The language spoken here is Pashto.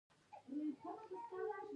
پسه د افغانستان د ښاري پراختیا یو سبب دی.